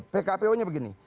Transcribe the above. pkpu nya begini